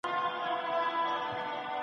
یو ځل مړینه د ټول عمر ډار لپاره کافي نه ده.